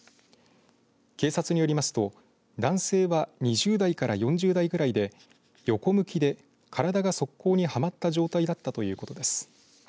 警察によりますと、男性は２０代から４０代ぐらいで横向きで体が側溝にはまった状態だったということです。